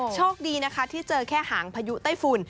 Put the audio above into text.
โชคดีนะคะที่เจอแค่หางพายุใต้ฝุ่น